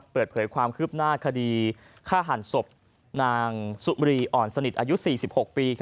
เปิดเผยความคืบหน้าคดีฆ่าหันศพนางสุมรีอ่อนสนิทอายุ๔๖ปี